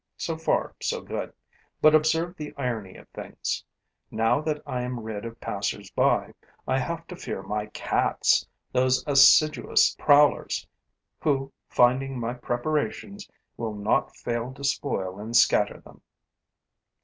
So far, so good; but observe the irony of things: now that I am rid of passers by, I have to fear my cats, those assiduous prowlers, who, finding my preparations, will not fail to spoil and scatter them.